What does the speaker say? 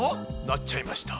なっちゃいました。